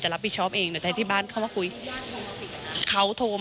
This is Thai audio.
อ่าเดี๋ยวฟองดูนะครับไม่เคยพูดนะครับ